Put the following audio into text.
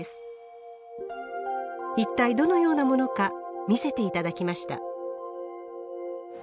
一体どのようなものか見せて頂きました。